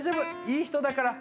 いい人だから」